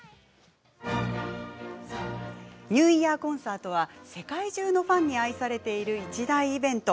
「ニューイヤーコンサート」は世界中のファンに愛されている一大イベント。